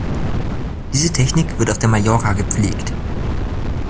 Diese Technik wird auf der Mallorca gepflegt.